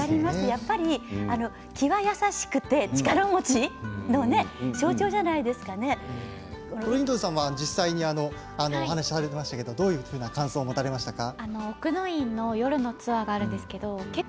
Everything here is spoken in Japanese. やっぱり気は優しくて力持ちのトリンドルさんは実際にお話しされていましたけれども、どういう感想を持たれましたか？